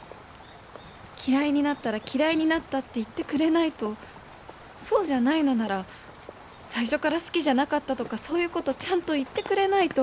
嫌いになったら嫌いになったって言ってくれないと、そうじゃないのなら、最初から好きじゃなかったとかそういうことちゃんと言ってくれないと」。